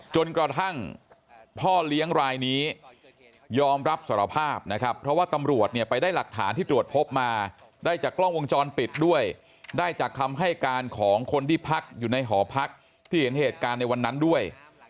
จนกระทั่งพ่อเลี้ยงรายนี้ยอมรับสารภาพนะครับเพราะว่าตำรวจเนี่ยไปได้หลักฐานที่ตรวจพบมาได้จากกล้องวงจรปิดด้วยได้จากคำให้การของคนที่พักอยู่ในหอพักที่เห็นเหตุการณ์ในวันนั้นด้วย